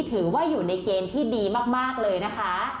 ถือว่าอยู่ในเกณฑ์ที่ดีมากเลยนะคะ